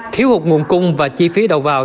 khiếu hụt nguồn cung và chi phí đầu vào